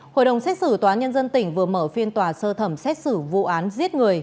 hội đồng xét xử tòa nhân dân tỉnh vừa mở phiên tòa sơ thẩm xét xử vụ án giết người